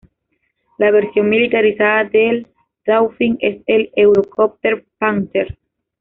La versión militarizada del Dauphin es el Eurocopter Panther.